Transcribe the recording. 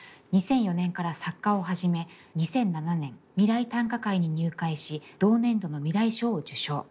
２００４年から作歌を始め２００７年未来短歌会に入会し同年度の未来賞を受賞。